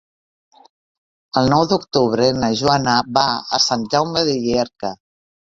El nou d'octubre na Joana va a Sant Jaume de Llierca.